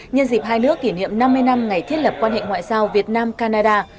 nhân dịp hai nước kỷ niệm năm mươi năm ngày thiết lập quan hệ ngoại giao việt nam canada